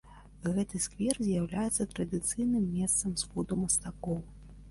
Гэты сквер з'яўляецца традыцыйным месцам сходу мастакоў.